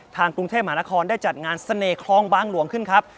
ทางกรุงเทพมหานครได้จัดงานเสน่หลองบางหลวงขึ้นครับ